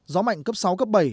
gió mạnh cấp sáu cấp bảy